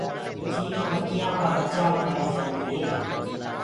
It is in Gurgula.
چيِل پکيآ ڪآ ٻچآ اُٺآ ليجآندي هي۔